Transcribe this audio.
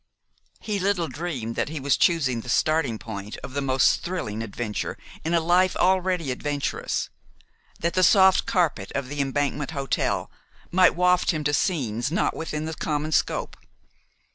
He little dreamed that he was choosing the starting point of the most thrilling adventure in a life already adventurous; that the soft carpet of the Embankment Hotel might waft him to scenes not within the common scope.